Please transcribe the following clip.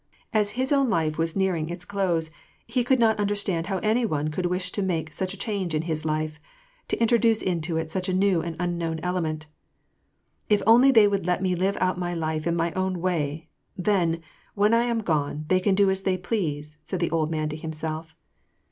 As his own life was nearing its close, he could not understand how any one could wish to make such a change in his life, to introduce into it such a new and unknown element. " If only they would let me live out my life in my own way ! then, when I am gone, they can do as they please," said the old man to himself.